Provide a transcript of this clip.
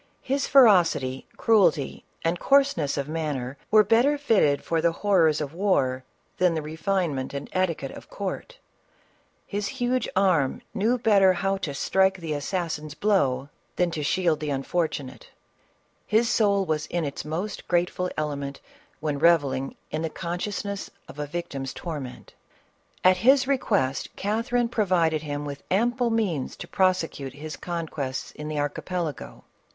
His ferocity, cruelty, and coarseness of man ner, were better fitted for the horrors of war than the refinement and etiquette of court ; his huge arm know better how to strike the assassin's deadly blow, than to 422 CATHERINE OF RUSSIA. shield the unfortunate ; his soul was in its most grate ful element when revelling in the consciousness of a victim's torment. At his request, Catherine provided him with ample means to prosecute his conquests in the Archipelago.